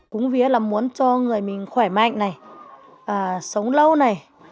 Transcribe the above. cúng vía là muốn cho người mình khỏe mạnh này sống lâu này